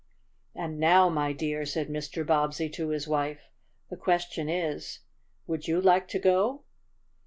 "And now, my dear," said Mr. Bobbsey to his wife, "the question is, would you like to go?"